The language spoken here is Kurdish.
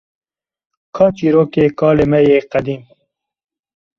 Ka çîrokê kalê me yê qedîm?